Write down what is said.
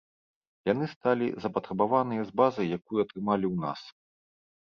Яны сталі запатрабаваныя з базай, якую атрымалі ў нас.